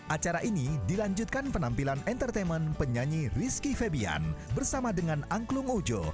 acara ini dilanjutkan penampilan entertainment penyanyi rizky febian bersama dengan angklung ojo